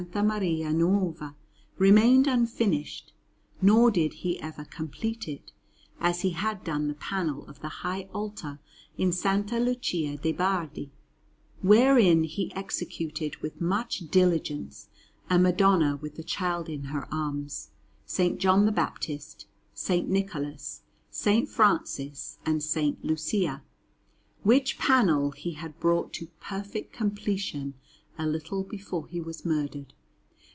Maria Nuova remained unfinished, nor did he ever complete it, as he had done the panel of the high altar in S. Lucia de' Bardi, wherein he executed with much diligence a Madonna with the Child in her arms, S. John the Baptist, S. Nicholas, S. Francis, and S. Lucia; which panel he had brought to perfect completion a little before he was murdered.